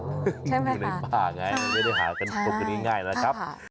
มันอยู่ในป่าไงไม่ได้หากันพบกันง่ายนะครับ